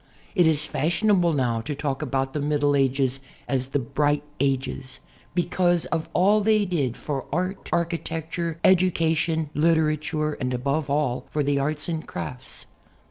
It is fashionable now to talk about the Middle Ages as the "Bright Ages" because of all they did for art, architecture, education, literature, and above all, for the arts and crafts.